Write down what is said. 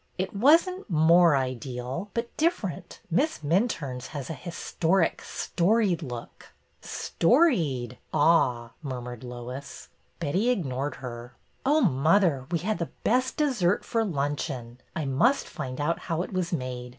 It was n't more ideal, but different. Miss Minturne's has a historic, storied look —" Storied ! Ah !" murmured Lois. Betty ignored her. '' Oh, mother, we had the best dessert for luncheon. I must find out how it was made.